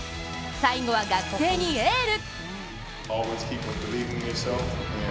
最後は学生にエール。